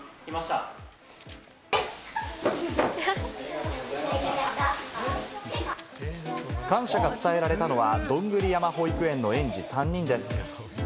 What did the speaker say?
誕生感謝が伝えられたのは、どんぐり山保育園の園児３人です。